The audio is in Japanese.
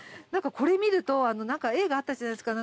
これ見ると何か映画あったじゃないですか。